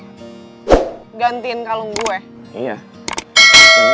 gue udah beliin kalung baru buat gantiin punya lo